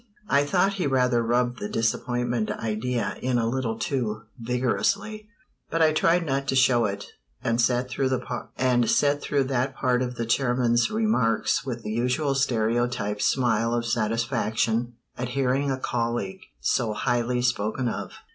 I thought he rather rubbed the "disappointment" idea in a little too vigorously; but I tried not to show it, and sat through that part of the chairman's remarks with the usual stereotyped smile of satisfaction at hearing a colleague so highly spoken of.